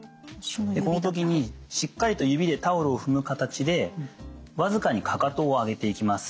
この時にしっかりと指でタオルを踏む形で僅かにかかとを上げていきます。